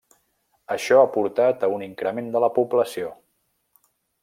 Això ha portat a un increment de la població.